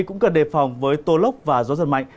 cũng cần đề phòng với tô lốc và gió giật mạnh